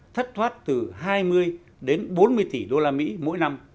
thất thoát từ hai mươi đến bốn mươi tỷ usd mỗi năm